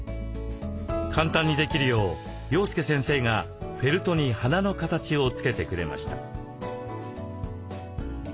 簡単にできるよう洋輔先生がフェルトに花の形をつけてくれました。